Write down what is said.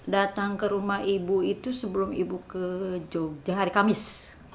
datang ke rumah ibu itu sebelum ibu ke jogja hari kamis